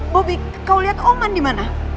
bobby kau liat oman dimana